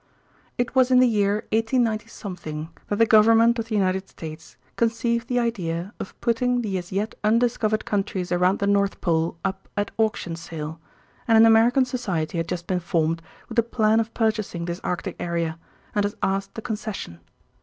It was in the year 189 that the Government of the United States conceived the idea of putting the as yet undiscovered countries around the North Pole up at auction sale, and an American society had just been formed with the plan of purchasing this Arctic area and has asked the concession.